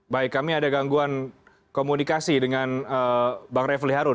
baik kami ada gangguan komunikasi dengan bang refli harun